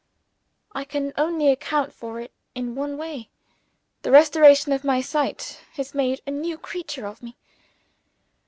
I can only account for it in one way. The restoration of my sight has made a new creature of me.